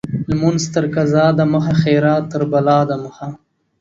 لمونځ تر قضا د مخه ، خيرات تر بلا د مخه.